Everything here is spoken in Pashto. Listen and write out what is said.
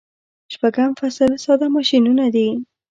شپږم فصل ساده ماشینونه دي.